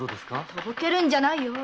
とぼけるんじゃないよ！